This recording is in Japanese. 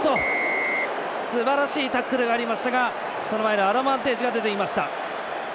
すばらしいタックルがありましたがその前のアドバンテージが出ていました。